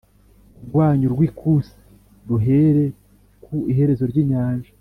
Rwanyu rw ikusi ruhere ku iherezo ry inyanja